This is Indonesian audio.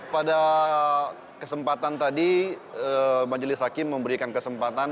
pada kesempatan tadi majelis hakim memberikan kesempatan